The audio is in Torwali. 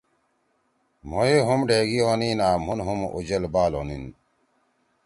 مھوئے ھوم ڈھیگی ہونیین آں مھون ھم اُجل بال ہونین